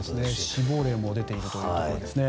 死亡例も出ているということですね。